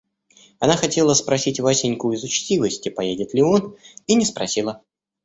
Она хотела спросить Васеньку из учтивости, поедет ли он, и не спросила.